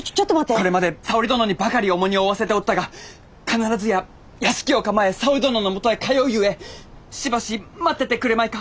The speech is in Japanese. これまで沙織殿にばかり重荷を負わせておったが必ずや屋敷を構え沙織殿のもとへ通うゆえしばし待っててくれまいか。